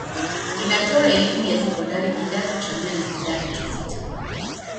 Inatoa elimu ya sekondari kidato cha nne na kidato cha sita.